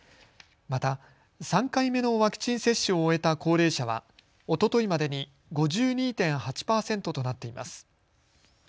また３回目のワクチン接種を終えた高齢者はおとといまでに５２．８％となっています。